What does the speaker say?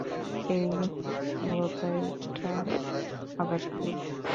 এই ভোঁদাইটা আবার কে?